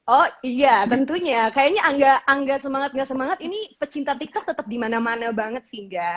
oh iya tentunya kayaknya angga semangat gak semangat ini pecinta tiktok tetap dimana mana banget sih enggak